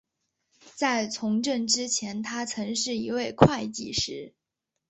在从政之前他曾是一位会计师。